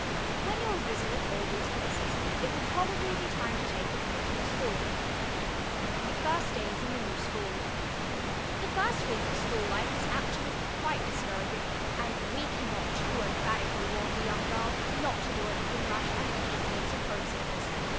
When you have visited all these places, it will probably be time to take the train to your school. THE FIRST DAYS IN THE NEW SCHOOL The first week of school life is apt to be quite discouraging, and we can not too emphatically warn the young girl not to do anything rash under the influence of homesickness.